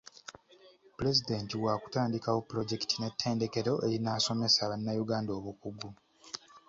Pulezidenti waakutandikawo pulojekiti n'ettendekero erinaasomesa bannayuganda obukugu.